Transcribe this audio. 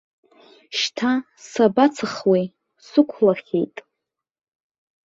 Шьҭа сабацахуеи, сықәлахьеит.